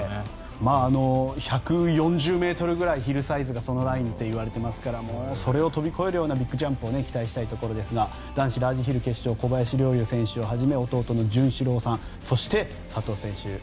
１４０ｍぐらいヒルサイズがそのラインといわれていますからそれを飛び越えるようなビッグジャンプを期待したいところですが男子ラージヒル決勝小林陵侑選手をはじめ弟の潤志郎さんそして佐藤選手